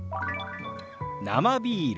「生ビール」。